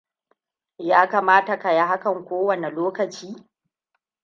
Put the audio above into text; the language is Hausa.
Ya kamata ka yi hakan ko wane lokaci?